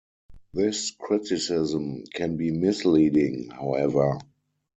This criticism can be misleading, however.